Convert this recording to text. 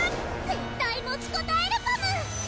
絶対持ちこたえるパム！